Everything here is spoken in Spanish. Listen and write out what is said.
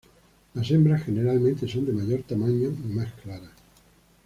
Las hembras generalmente son de mayor tamaño y más claras.